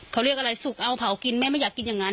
เขาเรียกอะไรสุกเอาเผากินแม่ไม่อยากกินอย่างนั้น